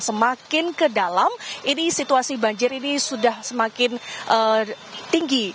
semakin ke dalam ini situasi banjir ini sudah semakin tinggi